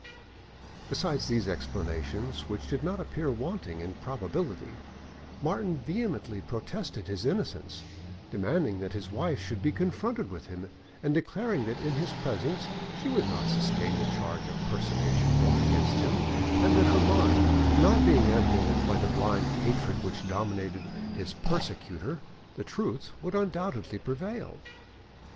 Besides these explanations, which did not appear wanting in probability, Martin vehemently protested his innocence, demanding that his wife should be confronted with him, and declaring that in his presence she would not sustain the charge of personation brought against him, and that her mind not being animated by the blind hatred which dominated his persecutor, the truth would undoubtedly prevail.